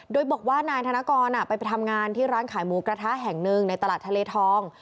โดยบอกว่านายธนกรไปทำงานที่ร้านขายหมูกระทะแห่งหนึ่งในตลาดทะเลทอง